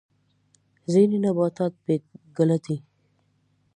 ځینې نباتات بې ګله دي